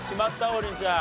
王林ちゃん。